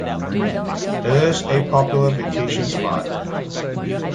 It is a popular vacation spot.